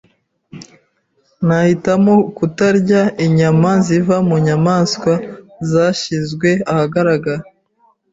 Nahitamo kutarya inyama ziva mu nyamaswa zashyizwe ahagaragara.